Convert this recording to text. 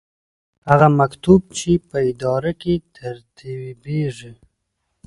هغه مکتوب چې په اداره کې ترتیبیږي.